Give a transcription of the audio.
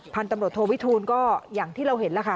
พันธุ์ตำรวจโทวิทูลก็อย่างที่เราเห็นแล้วค่ะ